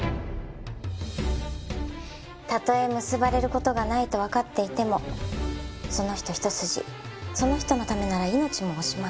たとえ結ばれる事がないとわかっていてもその人一筋その人のためなら命も惜しまない。